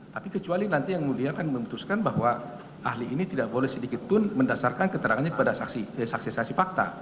tapi kecuali nanti yang mulia akan memutuskan bahwa ahli ini tidak boleh sedikit pun mendasarkan keterangannya kepada saksi saksi fakta